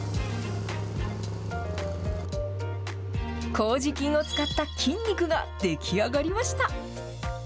こうじ菌を使った菌肉が出来上がりました。